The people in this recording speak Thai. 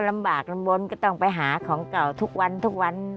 ลำบากลำบลก็ต้องไปหาของเก่าทุกวันทุกวัน